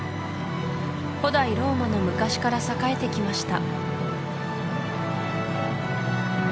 古代ローマの昔から栄えてきました